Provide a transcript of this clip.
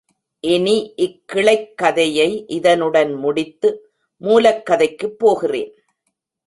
இனி இக் கிளைக் கதையை இதனுடன் முடித்து, மூலக் கதைக்குப் போகிறேன்.